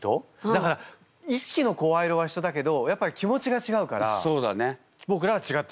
だから意識の声色は一緒だけどやっぱり気持ちが違うから僕らは違って聞こえてくる。